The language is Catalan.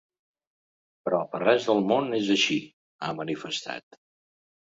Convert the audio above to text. Però per res del món és així, ha manifestat.